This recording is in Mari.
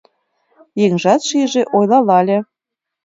Еҥжат шиже, ойлалале;